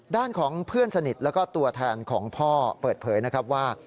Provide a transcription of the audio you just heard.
ด้านของเพื่อนสนิทแล้วก็ตัวแทนของพ่อเปิดเผยนะครับว่า